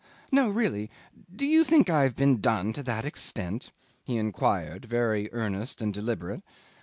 "No, really do you think I've been done to that extent?" he inquired very earnest and deliberate.